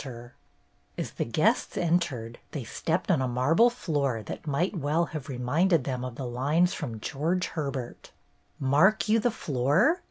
300 BETTY BAIRD'S GOLDEN YEAR As the guests entered, they stepped on a marble floor that might well have reminded them of the lines from George Herbert: '' Mark you the floore